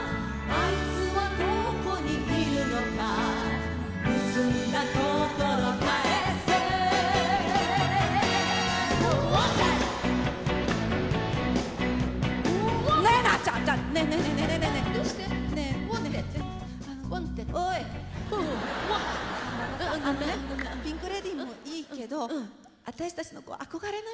あのねピンク・レディーもいいけど私たちの憧れの人の歌いたいなと。